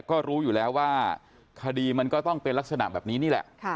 ก็รู้อยู่แล้วว่าคดีมันก็ต้องเป็นลักษณะแบบนี้นี่แหละ